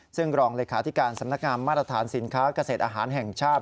ซึ่งรองเลขาธิการสำนักงามมาตรฐานสินค้าเกษตรอาหารแห่งชาติ